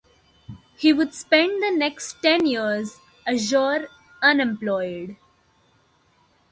He would spend the next ten years ashore unemployed.